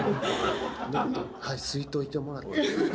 もっとすいといてもらって。